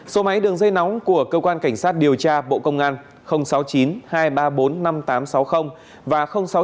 số máy đường dây nóng của cơ quan cảnh sát điều tra bộ công an sáu mươi chín hai trăm ba mươi bốn năm nghìn tám trăm sáu mươi và sáu mươi chín hai trăm ba mươi một một nghìn sáu trăm